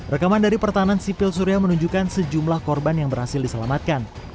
rekaman dari pertahanan sipil surya menunjukkan sejumlah korban yang berhasil diselamatkan